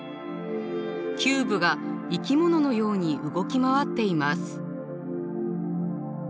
キューブが生き物のように動き回っています。